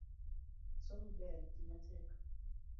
Somo ber, tii matek